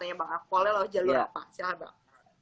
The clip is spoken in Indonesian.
akpolnya lo jalur apa silah bang